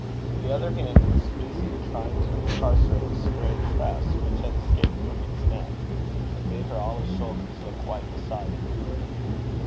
The other hand was busy trying to incarcerate a stray tress which had escaped from its net, and made her olive shoulders look white beside it.